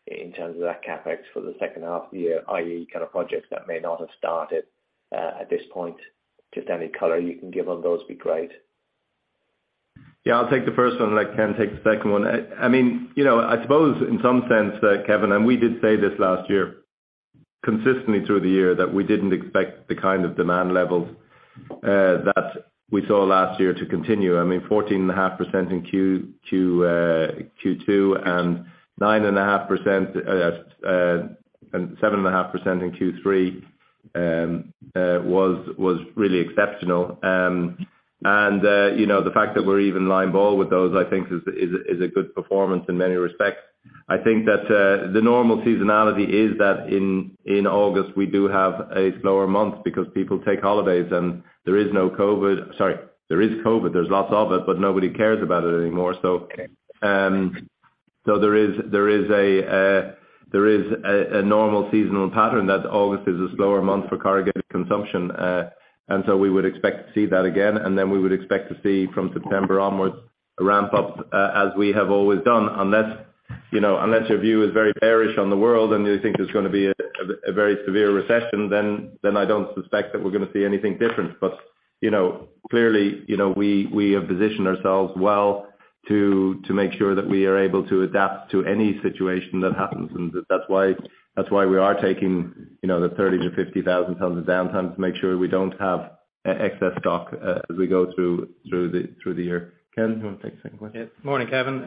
in terms of that CapEx for the second half of the year, i.e., kind of projects that may not have started at this point. Just any color you can give on those would be great. Yeah. I'll take the first one and let Ken take the second one. I mean, you know, I suppose in some sense that Kevin, and we did say this last year consistently through the year, that we didn't expect the kind of demand levels that we saw last year to continue. I mean, 14.5% in Q2 and 9.5% and 7.5% in Q3 was really exceptional. You know, the fact that we're even line ball with those, I think is a good performance in many respects. I think that the normal seasonality is that in August, we do have a slower month because people take holidays and there is no COVID. Sorry. There is COVID, there's lots of it, but nobody cares about it anymore. Okay. There is a normal seasonal pattern that August is a slower month for corrugated consumption. We would expect to see that again, and then we would expect to see from September onwards a ramp up, as we have always done. Unless, you know, unless your view is very bearish on the world and you think there's gonna be a very severe recession, then I don't suspect that we're gonna see anything different. You know, clearly, you know, we have positioned ourselves well to make sure that we are able to adapt to any situation that happens. That's why we are taking, you know, the 30,000-50,000 tons of downtime to make sure we don't have excess stock as we go through the year. Ken, do you wanna take the second one? Yes. Morning, Kevin.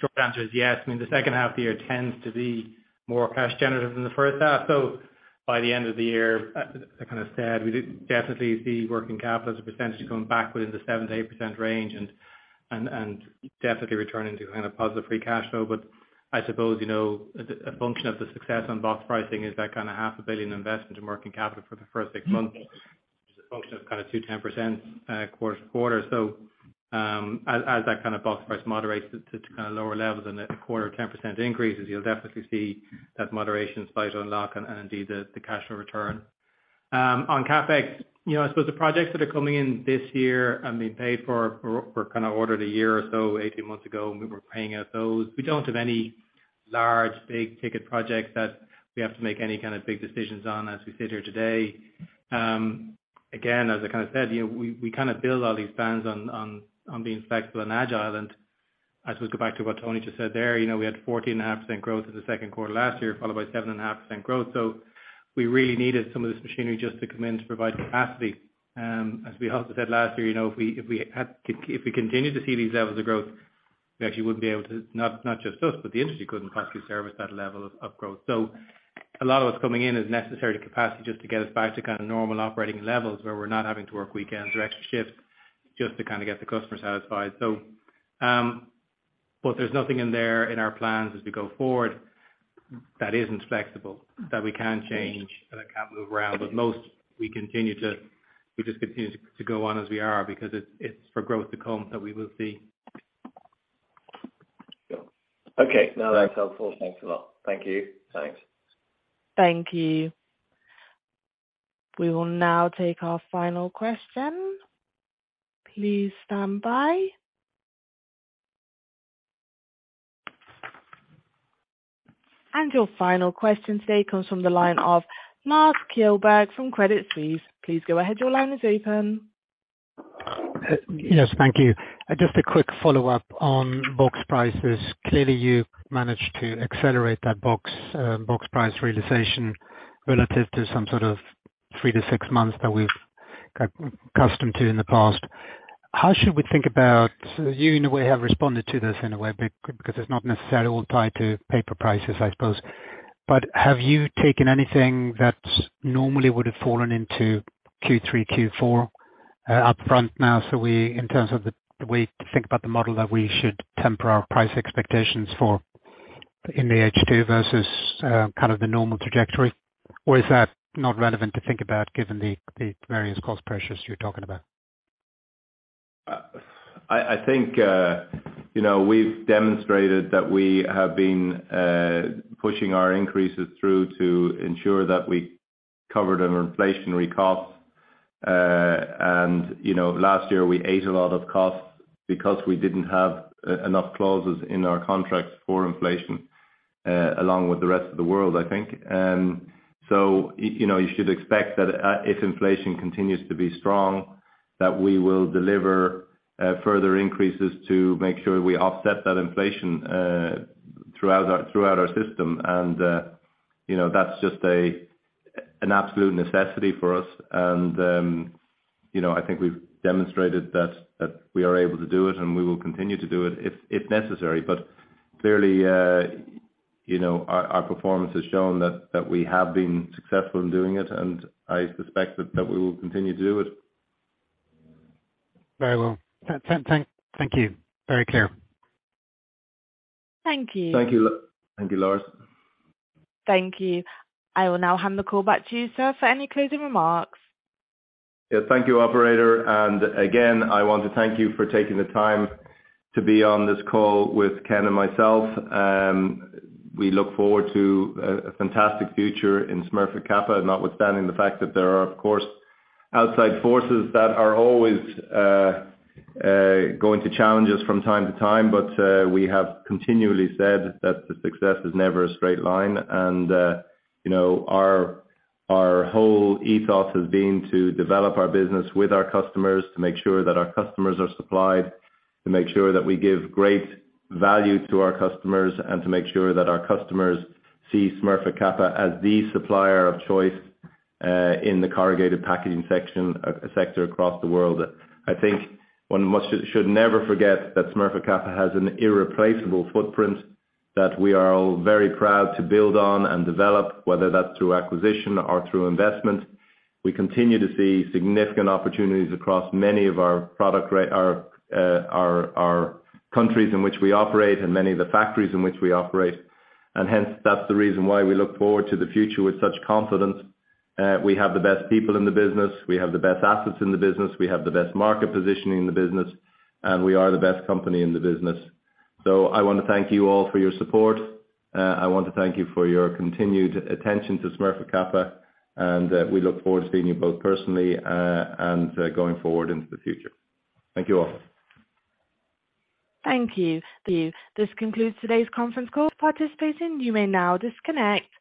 Short answer is yes. I mean, the second half of the year tends to be more cash generative than the first half. By the end of the year, I kinda said we do definitely see working capital as a percentage coming back within the 7%-8% range and definitely returning to kind of positive free cash flow. I suppose, you know, a function of the success on box pricing is that kinda EUR half a billion investment in working capital for the first six months, which is a function of kinda two 10%, quarter-to-quarter. As that kind of box price moderates to kinda lower levels and the quarter 10% increases, you'll definitely see that moderation start to unlock and indeed the cash flow return. On CapEx, you know, I suppose the projects that are coming in this year and being paid for kinda ordered a year or so, 18 months ago, and we were paying out those. We don't have any large, big ticket projects that we have to make any kind of big decisions on as we sit here today. Again, as I kinda said, you know, we kind of build all these plans on being flexible and agile. I suppose, go back to what Tony just said there. You know, we had 14.5% growth in the second quarter last year, followed by 7.5% growth. We really needed some of this machinery just to come in to provide capacity. As we also said last year, you know, if we had... If we continue to see these levels of growth, we actually wouldn't be able to, not just us, but the industry couldn't possibly service that level of growth. A lot of what's coming in is necessary to capacity just to get us back to kind of normal operating levels where we're not having to work weekends or extra shifts just to kinda get the customer satisfied. There's nothing in there in our plans as we go forward that isn't flexible, that we can't change, that I can't move around. Most we continue to go on as we are because it's for growth to come that we will see. Okay. No, that's helpful. Thanks a lot. Thank you. Thanks. Thank you. We will now take our final question. Please stand by. Your final question today comes from the line of Lars Kjellberg from Credit Suisse. Please go ahead. Your line is open. Yes, thank you. Just a quick follow-up on box prices. Clearly, you managed to accelerate that box price realization relative to some sort of three to six months that we've got accustomed to in the past. How should we think about? You, in a way, have responded to this in a way because it's not necessarily all tied to paper prices, I suppose. Have you taken anything that normally would have fallen into Q3, Q4 up front now, so we, in terms of the way to think about the model that we should temper our price expectations for in the H2 versus kind of the normal trajectory? Or is that not relevant to think about given the various cost pressures you're talking about? I think, you know, we've demonstrated that we have been pushing our increases through to ensure that we covered our inflationary costs. You know, last year we ate a lot of costs because we didn't have enough clauses in our contracts for inflation, along with the rest of the world, I think. You know, you should expect that, if inflation continues to be strong, that we will deliver further increases to make sure we offset that inflation, throughout our system. You know, that's just an absolute necessity for us. You know, I think we've demonstrated that we are able to do it, and we will continue to do it if necessary. Clearly, you know, our performance has shown that we have been successful in doing it, and I suspect that we will continue to do it. Very well. Thank you. Very clear. Thank you. Thank you. Thank you, Lars. Thank you. I will now hand the call back to you, sir, for any closing remarks. Yeah. Thank you, operator. I want to thank you for taking the time to be on this call with Ken and myself. We look forward to a fantastic future in Smurfit Kappa, notwithstanding the fact that there are, of course, outside forces that are always going to challenge us from time to time. We have continually said that the success is never a straight line. You know, our whole ethos has been to develop our business with our customers, to make sure that our customers are supplied, to make sure that we give great value to our customers, and to make sure that our customers see Smurfit Kappa as the supplier of choice in the corrugated packaging sector across the world. I think one should never forget that Smurfit Kappa has an irreplaceable footprint that we are all very proud to build on and develop, whether that's through acquisition or through investment. We continue to see significant opportunities across many of our countries in which we operate and many of the factories in which we operate. Hence, that's the reason why we look forward to the future with such confidence. We have the best people in the business, we have the best assets in the business, we have the best market positioning in the business, and we are the best company in the business. I wanna thank you all for your support. I want to thank you for your continued attention to Smurfit Kappa, and we look forward to seeing you both personally, and going forward into the future. Thank you all. Thank you. This concludes today's conference call. Participants, you may now disconnect.